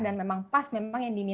dan memang pas memang yang diminati